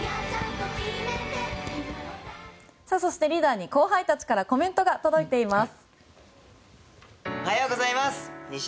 そしてリーダーに後輩たちからコメントが届いています。